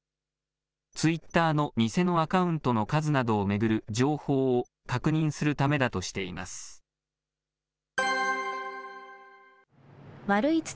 ツイッターの偽のアカウントの数などを巡る情報を確認するためだとしています。